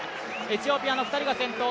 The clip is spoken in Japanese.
エチオピアの２人が先頭。